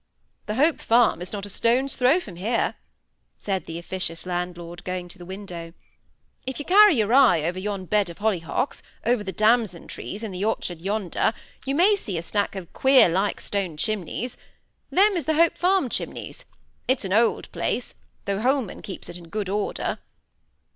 "The Hope Farm is not a stone's throw from here," said the officious landlord, going to the window. "If you carry your eye over yon bed of hollyhocks, over the damson trees in the orchard yonder, you may see a stack of queer like stone chimneys. Them is the Hope Farm chimneys; it's an old place, though Holman keeps it in good order."